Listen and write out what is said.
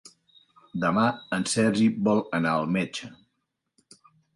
Demà en Sergi vol anar al metge.